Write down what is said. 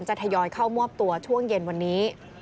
ทยอยเข้ามอบตัวช่วงเย็นวันนี้